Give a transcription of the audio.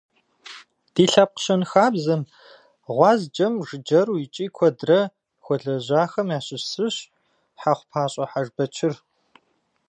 Ди лъэпкъ щэнхабзэм, гъуазджэм жыджэру икӏи куэдрэ хуэлэжьахэм ящыщ зыщ Хьэхъупащӏэ Хьэжбэчыр.